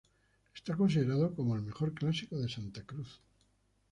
Es considerado como el mejor clásico de Santa Cruz.